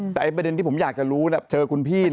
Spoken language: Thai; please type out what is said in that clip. แต่ประเด็นที่ผมอยากจะรู้เจอคุณพี่